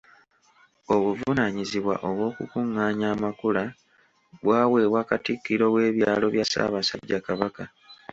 Obuvunaanyizibwa obwokukungaanya amakula bwaweebwa Katikkiro w'ebyalo bya Ssaabasajja Kabaka.